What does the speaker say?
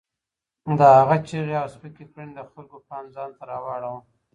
د هغه چیغې او سپکې کړنې د خلکو پام ځان ته رااړاوه.